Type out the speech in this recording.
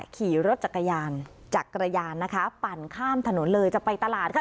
ขี่รถจักรยานจักรยานนะคะปั่นข้ามถนนเลยจะไปตลาดค่ะ